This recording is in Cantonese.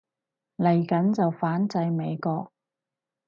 嚟緊就反制美國